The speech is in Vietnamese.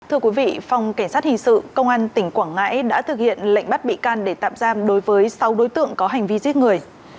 thưa quý vị phòng cảnh sát hình sự công an tỉnh quảng ngãi đã thực hiện lệnh bắt bị can để tạm giam đối với sáu đối tượng có hành vi giết người